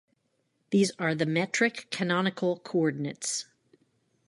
These are the metric canonical coordinates.